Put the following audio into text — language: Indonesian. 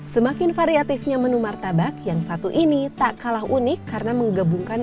semakin variatifnya menu martabak yang satu ini tak kalah unik karena menggabungkan